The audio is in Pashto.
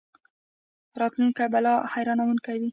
راتلونکی به لا حیرانوونکی وي.